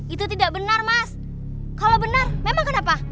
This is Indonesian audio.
itu tidak benar mas kalau benar memang kenapa